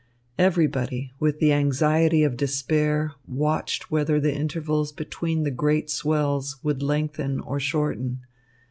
Everybody, with the anxiety of despair, watched whether the intervals between the great swells would lengthen or shorten.